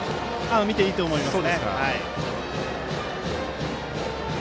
見ていいと思います。